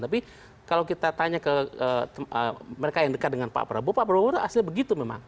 tapi kalau kita tanya ke mereka yang dekat dengan pak prabowo pak prabowo itu hasilnya begitu memang